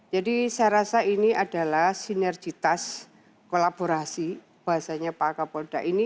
jadi saya rasa ini adalah sinergitas kolaborasi bahasanya pak kapolda ini